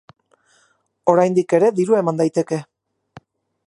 Oraindik ere dirua eman daiteke.